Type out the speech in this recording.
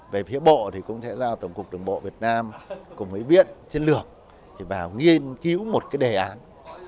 về phía bộ thì cũng sẽ giao tổng cục đường bộ việt nam cùng với viện chiến lược vào nghiên cứu một cái đề án